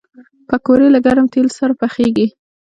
پکورې له ګرم تیلو سره پخېږي